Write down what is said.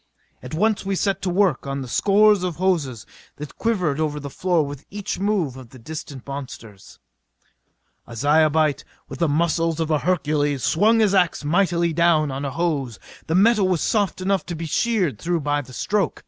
At once we set to work on the scores of hoses that quivered over the floor with each move of the distant monsters. A Zyobite with the muscles of a Hercules swung his ax mightily down on a hose. The metal was soft enough to be sheered through by the stroke.